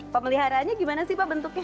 pemeliharaannya gimana sih pak bentuknya